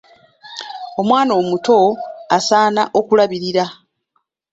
Omwana omuto asaana okulabirira.